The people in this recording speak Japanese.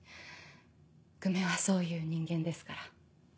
久米はそういう人間ですから。